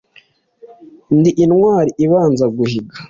Ndi intwari ibanza guhiga